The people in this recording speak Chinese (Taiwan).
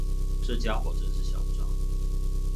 這傢伙真是囂張